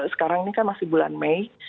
sekarang ini kan masih bulan mei